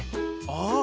ああ。